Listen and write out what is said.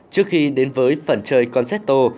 trước khi đến với phần chơi concerto